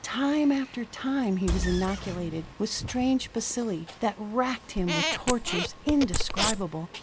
Time after time he was inoculated with strange bacilli that wracked him with tortures indescribable.